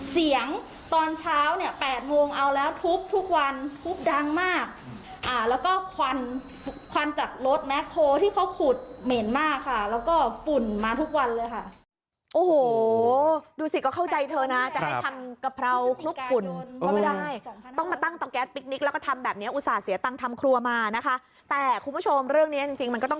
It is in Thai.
เสียงตอนเช้าเนี้ยแปดโมงเอาแล้วทุบทุกวันทุบดังมากอ่าแล้วก็